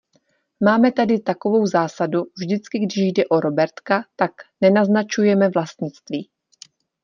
Máme tady takovou zásadu, vždycky když jde o robertka, tak nenaznačujeme vlastnictví.